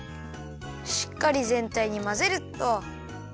しっかりぜんたいにまぜるっと。